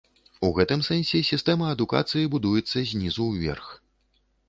У гэтым сэнсе сістэма адукацыі будуецца знізу ўверх.